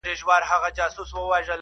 او کله یې سینګار نا اړین بللی دی